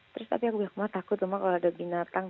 terus aku bilang ma takut cuma kalau ada binatang